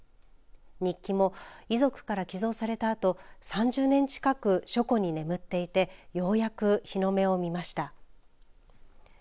日記も遺族から寄贈されたあと３０年近く書庫に眠っていてようやく日の目を見ました。